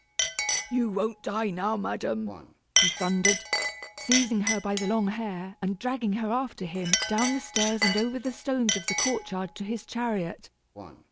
"You won't die now, madam," he thundered, seizing her by the long hair, and dragging her after him down the stairs and over the stones of the courtyard to his chariot.